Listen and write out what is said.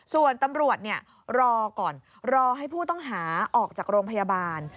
ส่วนตำรวจรอก่อนรอให้ผู้ต้องหาออกจากโรงพยาบาล